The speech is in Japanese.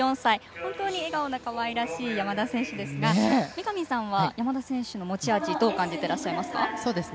本当に笑顔のかわいらしい山田選手ですが三上さんは山田選手の持ち味どう感じていますか。